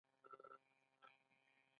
کشر ورور وویل دا کارونه د خدای دي.